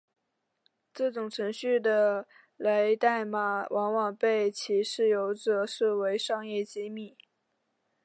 这些程序的源代码往往被其持有者视为商业机密。